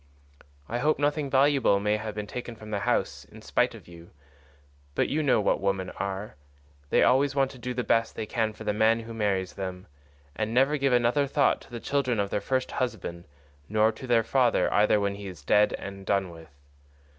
I hope nothing valuable may have been taken from the house in spite of you, but you know what women are—they always want to do the best they can for the man who marries them, and never give another thought to the children of their first husband, nor to their father either when he is dead and done with.